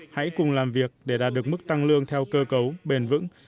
hãy cùng làm việc để đạt được mức tăng lương theo cơ cấu bền vững